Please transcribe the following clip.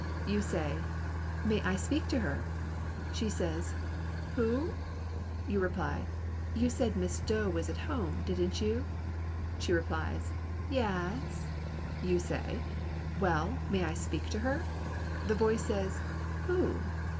You say, "May I speak to her?" She says, "Who?" You reply, "You said Miss Doe was at home, didn't you?" She replies, "Yass." You say, "Well, may I speak to her?" The voice says, "Who?"